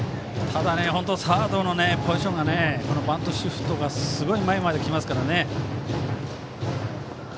サードのポジションバントシフトがすごく前まで来ていますからね。